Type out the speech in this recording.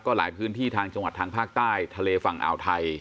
หลายพื้นที่ทางจังหวัดทางภาคใต้ทะเลฝั่งอ่าวไทย